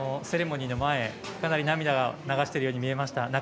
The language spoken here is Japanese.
セレモニーの前、かなり涙を流しているように見えました。